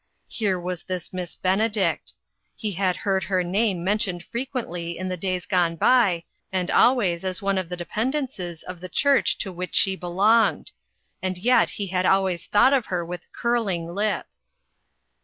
Here was this Miss Bene dict. He had heard her name mentioned frequently in the days gone by, and always as one of the dependences of the church to which she belonged ; and yet he had always thought of her with curling lip.